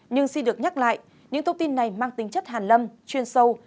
nhưng xin được nhắc lại những thông tin này mang tính chất hàn lâm chuyên sâu